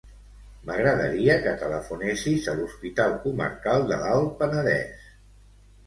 M'agradaria que telefonessis a l'Hospital Comarcal de l'Alt Penedès.